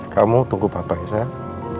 kamu tunggu papa ya sayang